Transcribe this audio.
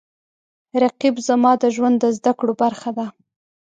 رقیب زما د ژوند د زده کړو برخه ده